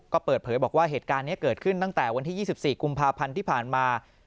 ก็เปิดเผยบอกว่าเหตุการณ์นี้เกิดขึ้นตั้งแต่วันที่๒๔กุมภาพันธ์ที่ผ่านมา